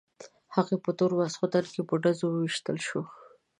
هغه په تور ماخستن کې په ډزو وویشتل شو.